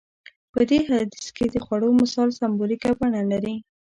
په دې حديث کې د خوړو مثال سمبوليکه بڼه لري.